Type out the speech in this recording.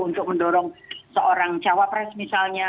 untuk mendorong seorang cawapres misalnya